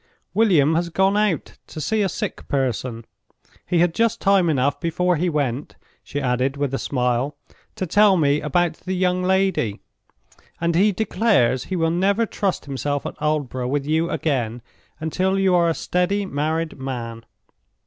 "William has gone out to see a sick person. He had just time enough before he went," she added, with a smile, "to tell me about the young lady; and he declares he will never trust himself at Aldborough with you again until you are a steady, married man."